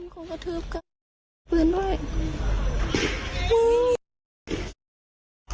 คงจะตื้บกัน